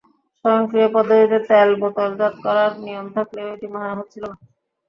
স্বয়ংক্রিয় পদ্ধতিতে তেল বোতলজাত করার নিয়ম থাকলেও এটি মানা হচ্ছিল না।